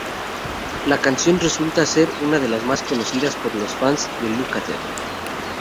La canción resulta ser una de las más conocidas por los fans de Lukather.